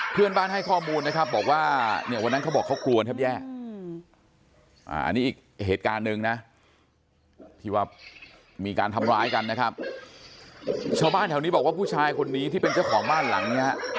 เพื่อนบ้านให้ข้อมูลนะครับบอกว่าเนี่ยวันนั้นเขาบอกเขากลัวแทบแย่อันนี้อีกเหตุการณ์หนึ่งนะที่ว่ามีการทำร้ายกันนะครับชาวบ้านแถวนี้บอกว่าผู้ชายคนนี้ที่เป็นเจ้าของบ้านหลังเนี้ย